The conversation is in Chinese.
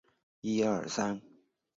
早年电疗法造成的骨折已不复见。